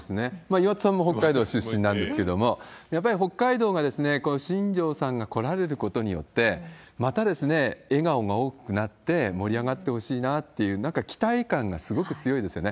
岩田さんも北海道出身なんですけれども、やっぱり北海道がこの新庄さんが来られることによって、また笑顔が多くなって、盛り上がってほしいなっていう、なんか期待感がすごく強いですよね。